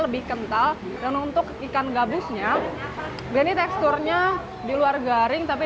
lebih kental dan untuk ikan gabusnya ini teksturnya di luar garing tapi